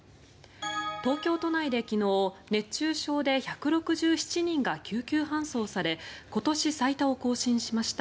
東京都内で昨日熱中症で１６７人が救急搬送され今年最多を更新しました。